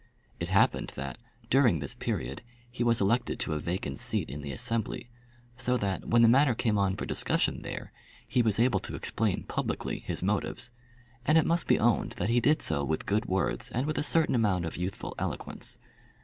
It happened that, during this period, he was elected to a vacant seat in the Assembly, so that, when the matter came on for discussion there, he was able to explain publicly his motives; and it must be owned that he did so with good words and with a certain amount of youthful eloquence.